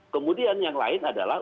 kemudian yang lain adalah